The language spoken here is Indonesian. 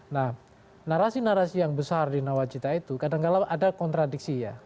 nah narasi narasi yang besar di nawacita itu kadang kadang ada kontradiksi ya